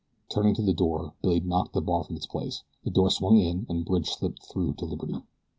Turning to the door Billy knocked the bar from its place, the door swung in and Bridge slipped through to liberty.